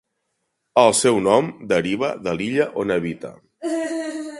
El seu nom deriva de l'illa on habita.